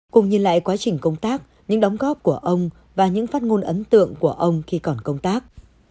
cùng nhìn lại quá trình công tác những đóng góp của ông và những phát ngôn ấn tượng của ông khi còn công tác